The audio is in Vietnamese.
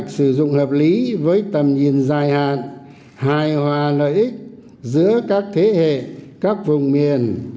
sử dụng hợp lý với tầm nhìn dài hạn hài hòa lợi ích giữa các thế hệ các vùng miền